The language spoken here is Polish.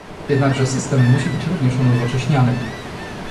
Jednakże system musi być również unowocześniany